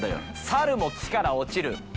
「猿も木から落ちる」。